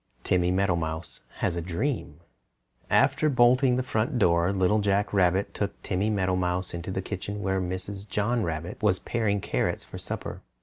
TIMMY MEADOWMOUSE HAS A DREAM After bolting the front door, Little Jack Rabbit took Timmy Meadowmouse into the kitchen where Mrs. John Rabbit was paring carrots for supper.